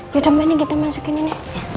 yaudah mbak ini kita masukin ini